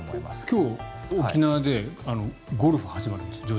今日、沖縄で女子ゴルフ始まるんです。